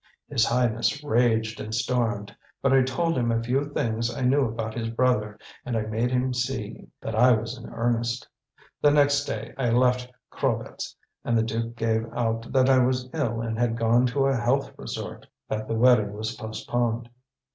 His Highness raged and stormed, but I told him a few things I knew about his brother, and I made him see that I was in earnest. The next day I left Krolvetz, and the duke gave out that I was ill and had gone to a health resort; that the wedding was postponed.